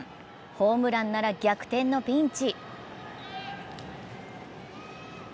ホームランなら逆転のピンチ。